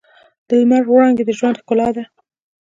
د لمر وړانګې د ژوند ښکلا ده.